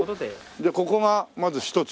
じゃあここがまず１つ。